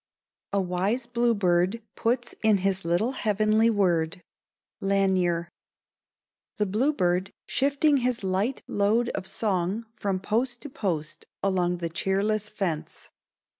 _ A wise bluebird Puts in his little heavenly word. Lanier. The bluebird, shifting his light load of song From post to post along the cheerless fence.